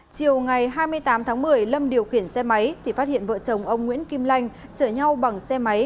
chiều ngày hai mươi tám tháng một mươi lâm điều khiển xe máy thì phát hiện vợ chồng ông nguyễn kim lanh chở nhau bằng xe máy